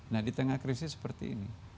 nah di tengah krisis seperti ini